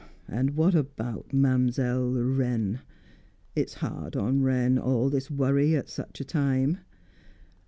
"And what about Mam'zelle Wren? It's hard on Wren, all this worry at such a time."